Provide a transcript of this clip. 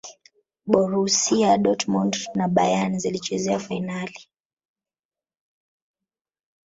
borusia dortmund na bayern zilicheza fainali